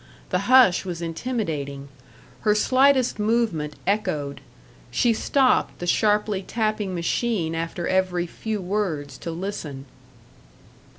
The hush was intimidating; her slightest movement echoed; she stopped the sharply tapping machine after every few words to listen.